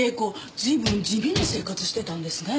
ずいぶん地味に生活してたんですねえ。